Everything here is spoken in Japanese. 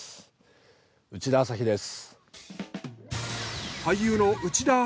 内田朝陽です。